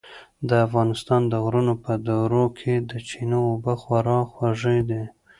د افغانستان د غرو په درو کې د چینو اوبه خورا خوږې دي.